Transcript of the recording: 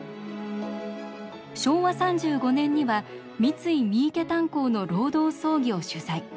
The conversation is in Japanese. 昭和３５年には三井三池炭鉱の労働争議を取材。